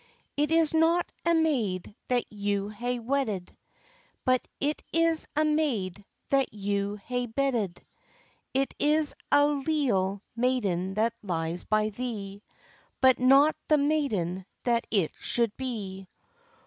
"It is not a maid that you hae wedded, But it is a maid that you hae bedded; It is a leal maiden that lies by thee, But not the maiden that it should be."